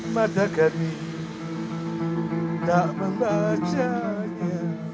mata kami tak membacanya